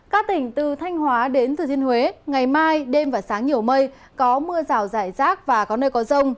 các tỉnh từ thanh hóa đến thừa thiên huế ngày mai đêm và sáng nhiều mây có mưa rào rải rác và có nơi có rông